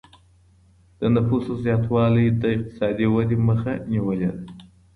د نفوسو زياتوالی د اقتصادي ودي مخه نيولې ده.